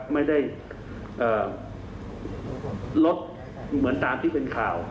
ไม่ได้ลดเหมือนตามที่เป็นข่าว